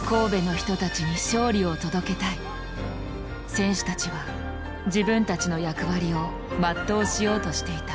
選手たちは自分たちの役割を全うしようとしていた。